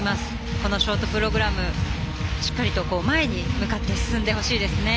このショートプログラムしっかりと前に向かって進んでほしいですね。